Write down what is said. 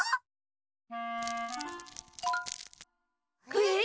えっ？